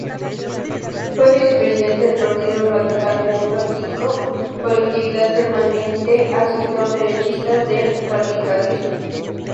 Fue vicepresidente del Partido Radical Democrático, colectividad perteneciente al sector derechista del radicalismo.